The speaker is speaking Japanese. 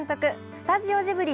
スタジオジブリ